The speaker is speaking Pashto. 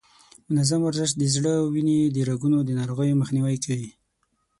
منظم ورزش د زړه او د وینې د رګونو د ناروغیو مخنیوی کوي.